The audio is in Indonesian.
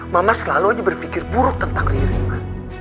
mama selalu aja berpikir buruk tentang riri ma